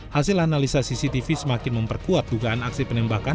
hasil analisa cctv semakin memperkuat dugaan aksi penembakan